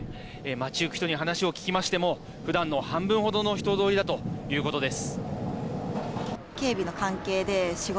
街行く人に話を聞きましても普段の半分ほどの人通りだということです。